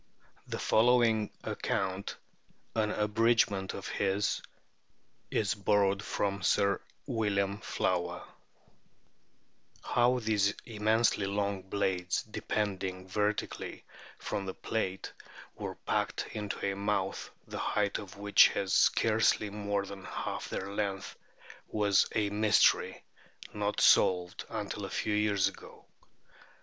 * The following * In La?id and Water for the year 1878. 1 32 A BOOK OF WHALES account, an abridgement of his, is borrowed from Sir William Flower :" How these immensely long blades depending vertically from the palate were packed into a mouth, the height of which was scarcely more than half their length, was a mystery not solved until a few years ago.